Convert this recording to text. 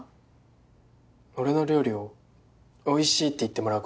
俺の料理を「おいしい」って言ってもらう事です。